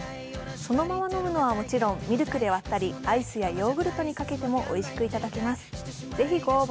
そのまま飲むのはもちろん、ミルクで割ったりアイスやヨーグルトにかけてもおいしくいただけます。